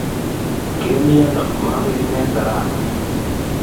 Ke miano? mokerin eng' tarasa